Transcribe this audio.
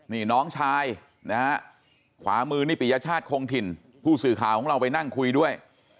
นี่น้องชายนะฮะขวามือนี่ปิยชาติคงถิ่นผู้สื่อข่าวของเราไปนั่งคุยด้วย